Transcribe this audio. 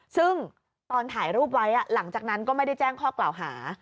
ซึ่งตอนถ่ายรูปไว้หลังจากนั้นก็ไม่ได้แจ้งข้อกล่าวหา